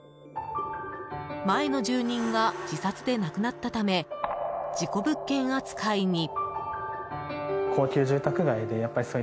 前の住人が自殺で亡くなったため事故物件扱いに。